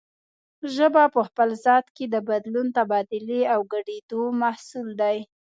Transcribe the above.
ژبه په خپل ذات کې د بدلون، تبادلې او ګډېدو محصول دی